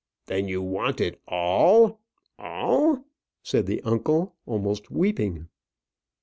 "Then you want it all all!" said the uncle, almost weeping.